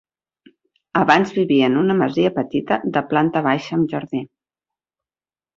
Abans vivia en una masia petita de planta baixa amb jardí.